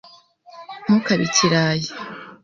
Ntukabe ikirayi.